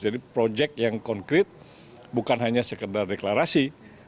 jadi proyek yang konkret bukan hanya sekedar deklarasi